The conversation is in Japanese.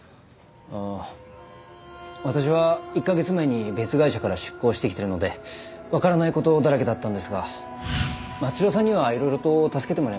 ああ私は１カ月前に別会社から出向してきてるのでわからない事だらけだったんですが松代さんにはいろいろと助けてもらいました。